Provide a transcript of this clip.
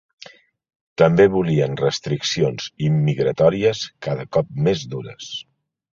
També volien restriccions immigratòries cada cop més dures.